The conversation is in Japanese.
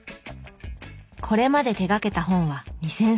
これまで手がけた本は２，０００冊以上。